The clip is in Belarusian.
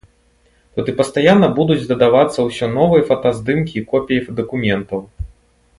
Туды пастаянна будуць дадавацца ўсё новыя фотаздымкі і копіі дакументаў.